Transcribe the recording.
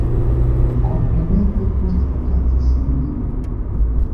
Kompreneble poste okazis nenio.